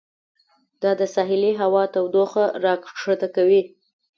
دا د ساحلي هوا تودوخه راښکته کوي.